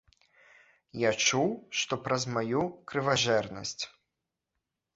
Я чуў, што праз маю крыважэрнасць.